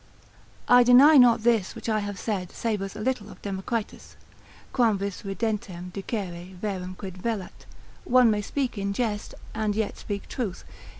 I deny not this which I have said savours a little of Democritus; Quamvis ridentem dicere verum quid velat; one may speak in jest, and yet speak truth.